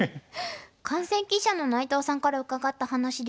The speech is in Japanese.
観戦記者の内藤さんから伺った話ですが。